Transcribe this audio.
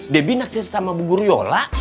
debi naksir sama bu guru yola